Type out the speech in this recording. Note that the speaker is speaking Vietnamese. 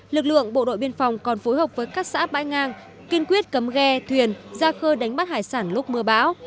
lực lượng bộ đội biên phòng còn phối hợp với các xã bãi ngang kiên quyết cấm ghe thuyền ra khơi đánh bắt hải sản lúc mưa bão